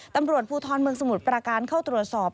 ตำรวจภูทรเมืองสมุทรประการเข้าตรวจสอบ